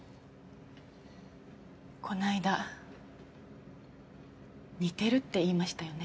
この間似てるって言いましたよね？